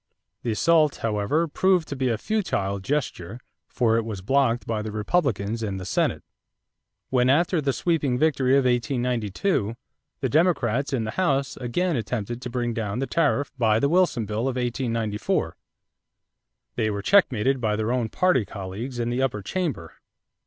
The assault, however, proved to be a futile gesture for it was blocked by the Republicans in the Senate. When, after the sweeping victory of 1892, the Democrats in the House again attempted to bring down the tariff by the Wilson bill of 1894, they were checkmated by their own party colleagues in the upper chamber.